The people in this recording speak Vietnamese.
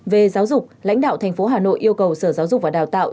về giáo dục lãnh đạo tp hà nội yêu cầu sở giáo dục và đào tạo